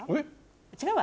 違うわ。